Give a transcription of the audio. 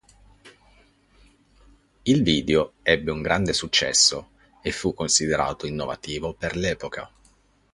Il video ebbe un grande successo e fu considerato innovativo per l'epoca.